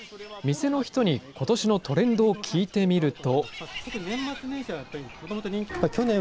店の人にことしのトレンドを聞いてみると。